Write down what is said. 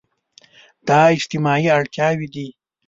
دا اجتماعي اړتياوې دي.